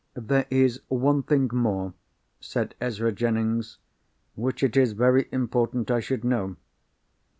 "There is one thing more," said Ezra Jennings, "which it is very important I should know.